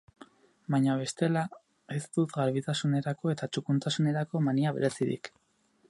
Baina, bestela, ez dut garbitasunerako eta txukuntasunerako mania berezirik.